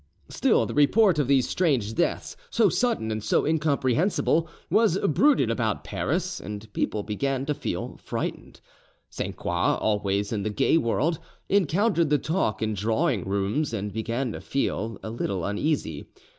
Still the report of these strange deaths, so sudden and so incomprehensible, was bruited about Paris, and people began to feel frightened. Sainte Croix, always in the gay world, encountered the talk in drawing rooms, and began to feel a little uneasy.